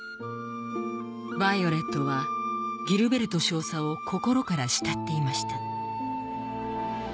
ヴァイオレットはギルベルト少佐を心から慕っていました